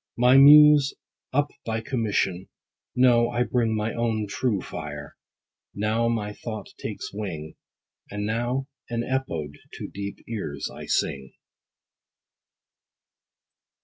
My muse up by commission ; no, I bring My own true fire : now my thought takes wing, And now an EPODE to deep ears I sing.